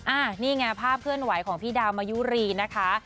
นี่ไงภาพเคลื่อนไหวของพี่ดาวมายุรีนะคะ